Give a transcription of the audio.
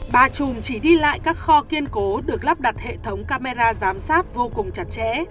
bà chùm chỉ đi lại các kho kiên cố được lắp đặt hệ thống camera giám sát vô cùng chặt chẽ